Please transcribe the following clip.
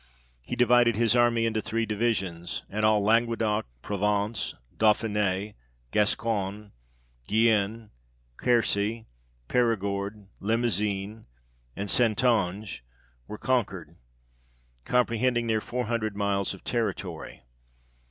He divided his army into three divisions, and all Languedoc, Provence, Dauphine, Gascogne, Guienne, Quercy, Perigord, Limosin, and Saintonge, were con quered ; comprehending near four hundred miles of territory.